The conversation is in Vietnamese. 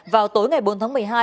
vào tối ngày bốn tháng một mươi hai